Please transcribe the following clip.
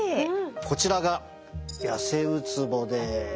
こちらがヤセウツボです。